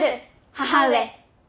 母上。